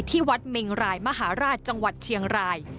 ที่วัดเมงรายมหาราชจังหวัดเชียงราย